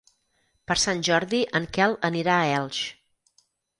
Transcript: Per Sant Jordi en Quel anirà a Elx.